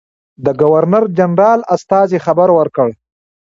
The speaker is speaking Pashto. د ګورنرجنرال استازي خبر ورکړ.